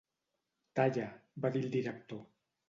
"Talla" va dir el director.